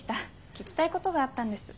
聞きたいことがあったんです。